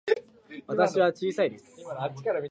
私は小さいです。